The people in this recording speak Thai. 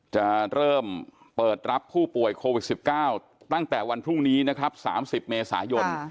จะเริ่มเปิดรับผู้ป่วยโควิด๑๙ตั้งแต่วันพรุ่งนี้นะครับ๓๐เมษายน